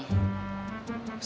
supaya pak haji